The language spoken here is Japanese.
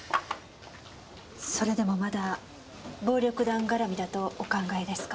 それでもまだ暴力団絡みだとお考えですか？